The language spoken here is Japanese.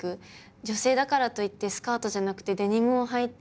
女性だからといってスカートじゃなくてデニムをはいてもいいじゃないか。